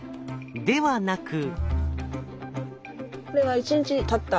ではなく。